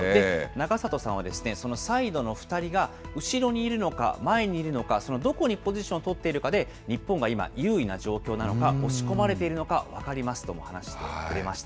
永里さんは、そのサイドの２人が後ろにいるのか、前にいるのか、そのどこにポジションを取っているかで、日本が今、優位な状況なのか押し込まれているのか分かりますとも話してくれました。